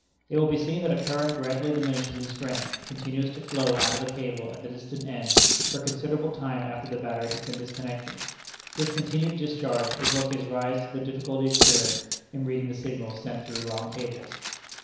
It will be seen that a current gradually diminishing in strength continues to flow out of the cable at the distant end for a considerable time after the battery has been disconnected. This continued discharge is what gives rise to the difficulty experienced in reading the signals sent through long cables.